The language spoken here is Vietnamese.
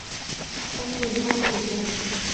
em liền an ủi mẹ